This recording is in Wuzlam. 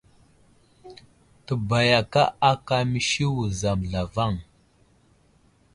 Təbayaka ákà məsi wuzam zlavaŋ.